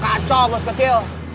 kacau bos kecil